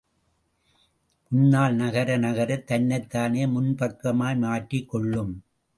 முன்னால் நகர நகர, தன்னைத் தானே முன்பக்கமாய் மாற்றிக்கொள்ளும்.